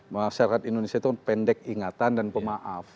masyarakat indonesia itu pendek ingatan dan pemaaf